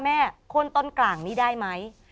โค้นต้นกลางนี้ได้ไหม